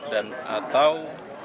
dan atau tiga ratus enam puluh lima